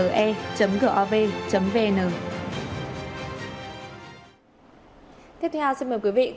tiếp theo xin mời quý vị theo dõi các tin tức tinh tế đáng chú ý khác đến từ trường quay việt nam